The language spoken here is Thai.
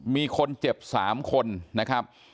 มีคนเจ็บ๓คนนะครับ